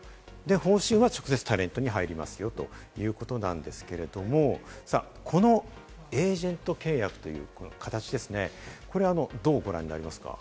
報酬は直接タレントに入りますよということなんですけれども、このエージェント契約という形ですね、これはどうご覧になりますか？